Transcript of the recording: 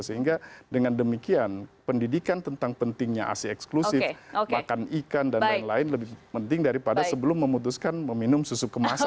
sehingga dengan demikian pendidikan tentang pentingnya asi eksklusif makan ikan dan lain lain lebih penting daripada sebelum memutuskan meminum susu kemasan